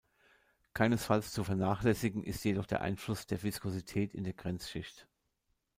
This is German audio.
Keinesfalls zu vernachlässigen ist jedoch der Einfluss der Viskosität in der Grenzschicht.